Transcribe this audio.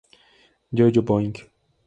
Yo-Yo Boing!